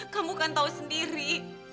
kamu kan tahu sendiri